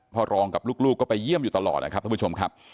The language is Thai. พ่อรองกับลูกก็ไปเยี่ยมอยู่ตลอดนะครับท่านผู้ชมครับ